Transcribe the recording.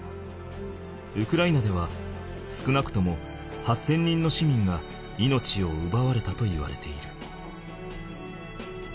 ウクライナでは少なくとも８，０００人の市民が命を奪われたといわれている。